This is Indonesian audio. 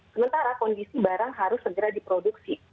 sementara kondisi barang harus segera diproduksi